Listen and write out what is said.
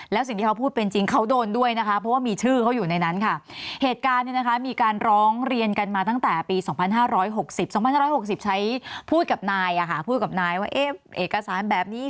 แล้วสิ่งที่เขาพูดเป็นจริงเขาโดนด้วยนะคะ